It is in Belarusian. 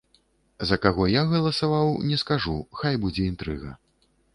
А за каго я галасаваў, не скажу, хай будзе інтрыга.